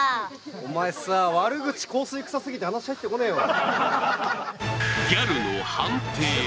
お前さ、悪口香水臭すぎて、話入ってこねぇわ。